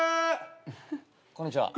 こんにちは。